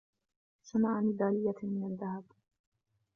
صنع ميدلاية من الذهب.